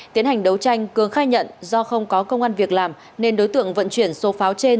tiến hành đấu tranh cường khai nhận do không có công an việc làm nên đối tượng vận chuyển số pháo trên